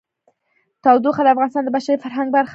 تودوخه د افغانستان د بشري فرهنګ برخه ده.